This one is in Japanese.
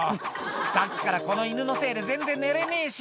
「さっきからこの犬のせいで全然寝れねえし」